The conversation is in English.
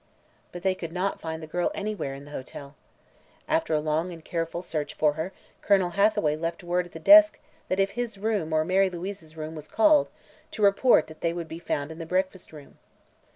But they could not find the girl anywhere in the hotel. After a long and careful search for her, Colonel Hathaway left word at the desk that if his room or Mary Louise's room was called, to report that they would be found in the breakfast room.